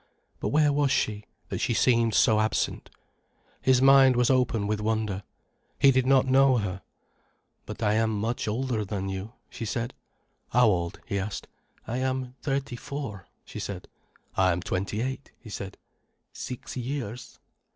But where was she, that she seemed so absent? His mind was open with wonder. He did not know her. "But I am much older than you," she said. "How old?" he asked. "I am thirty four," she said. "I am twenty eight," he said. "Six years."